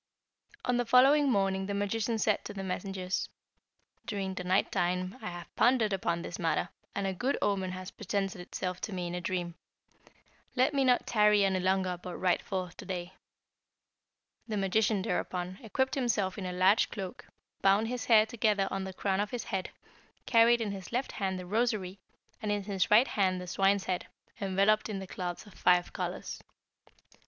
"On the following morning the magician said to the messengers, 'During the night time I have pondered upon this matter, and a good omen has presented itself to me in a dream. Let me not tarry any longer but ride forth to day.' The magician, thereupon, equipped himself in a large cloak, bound his hair together on the crown of his head, carried in his left hand the rosary, and in his right the swine's head, enveloped in the cloths of five colours.